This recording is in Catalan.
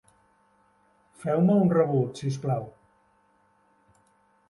Feu-me un rebut, si us plau.